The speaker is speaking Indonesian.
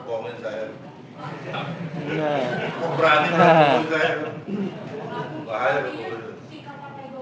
pertama sikap pak pertai bokar mengagakkan pak idris makmur seperti apa